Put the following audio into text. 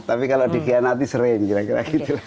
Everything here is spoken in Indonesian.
tapi kalau dikhianati sering kira kira gitu